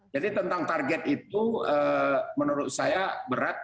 jadi tentang target itu menurut saya berat